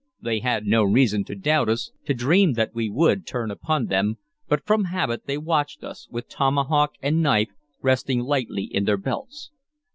They had no reason to doubt us, to dream that we would turn upon them, but from habit they watched us, with tomahawk and knife resting lightly in their belts.